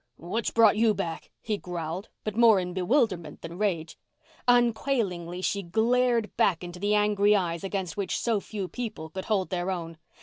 "What's brought you back?" he growled, but more in bewilderment than rage. Unquailingly she glared back into the angry eyes against which so few people could hold their own.